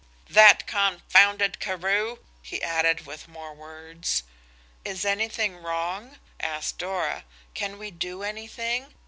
"That confounded Carew!" he added, with more words. "Is anything wrong?" asked Dora–"can we do anything?